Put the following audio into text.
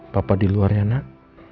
bapak di luarnya nak